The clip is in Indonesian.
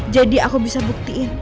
jadi aku bisa buktiin